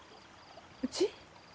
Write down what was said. うち？